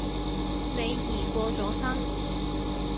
李怡過咗身